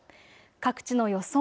各地の予想